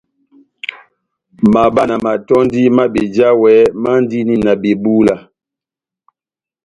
Mabá na matɔ́ndi má bejawɛ mandini na bebúla.